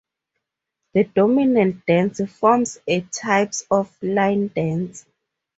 The dominant dance forms are types of line dance.